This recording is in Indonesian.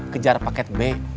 kejar paket b